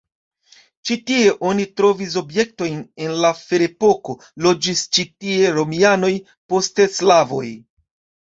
Ĉi tie oni trovis objektojn el la ferepoko, loĝis ĉi tie romianoj, poste slavoj.